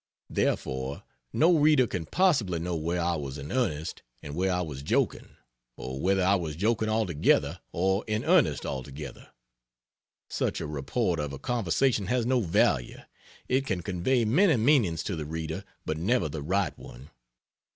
Therefore, no reader can possibly know where I was in earnest and where I was joking; or whether I was joking altogether or in earnest altogether. Such a report of a conversation has no value. It can convey many meanings to the reader, but never the right one.